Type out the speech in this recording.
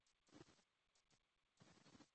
سهار وختي کوڅې ارامې وي